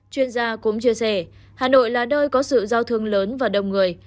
chuyên gia cũng chia sẻ hà nội là nơi có sự giao thương lớn và đông người